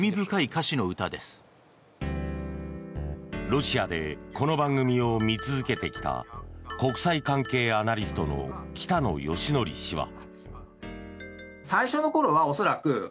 ロシアでこの番組を見続けてきた国際関係アナリストの北野幸伯氏は。